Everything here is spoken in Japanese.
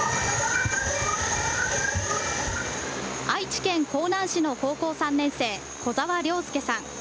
愛知県江南市の高校３年生、小澤諒祐さん。